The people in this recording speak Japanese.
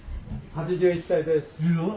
８１歳です。